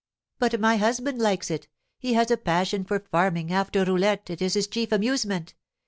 'But my husband likes it. He has a passion for farming; after roulette, it it his chief amusement.